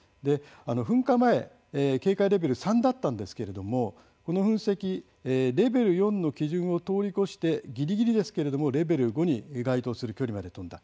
噴火前、警戒レベル３だったんですけれどもこの噴石、レベル４の基準を通り越してぎりぎりですけれどもレベル５に該当する距離まで飛んだ。